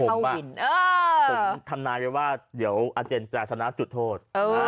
ผมอ่ะผมทำนายว่าเดี๋ยวอาเจนจะสนับจุดโทษ